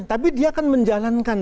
tapi dia kan menjalankan